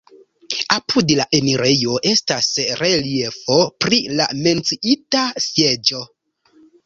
Apud la enirejo estas reliefo pri la menciita sieĝo.